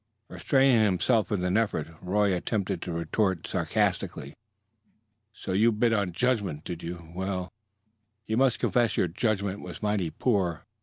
Restraining himself with an effort, Roy attempted to retort sarcastically. "So you bet on judgment, did you? Well, you must confess your judgment was mighty poor.